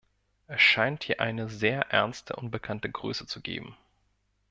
Es scheint hier eine sehr ernste unbekannte Größe zu geben.